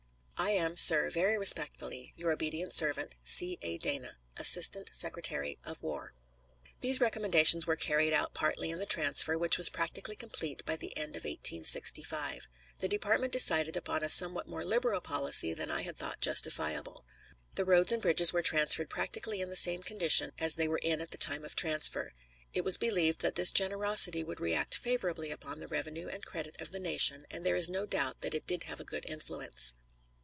I am, sir, very respectfully, your obedient servant, C. A. DANA, Assistant Secretary of War. These recommendations were carried out partly in the transfer, which was practically complete by the end of 1865. The department decided upon a somewhat more liberal policy than I had thought justifiable. The roads and bridges were transferred practically in the same condition as they were in at the time of transfer. It was believed that this generosity would react favorably upon the revenue and credit of the nation, and there is no doubt that it did have a good influence.